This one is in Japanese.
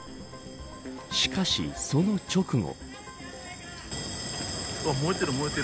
しかし、その直後。